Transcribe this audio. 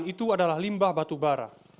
itu adalah limbah batubara